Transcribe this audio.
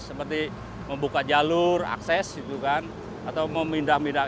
seperti membuka jalur akses atau memindah mindahkan